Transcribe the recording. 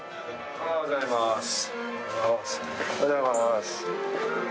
おはようございます。